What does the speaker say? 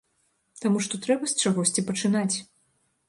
Таму што трэба з чагосьці пачынаць.